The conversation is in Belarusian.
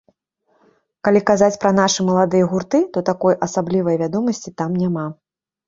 Калі казаць пра нашы маладыя гурты, то такой асаблівай вядомасці там няма.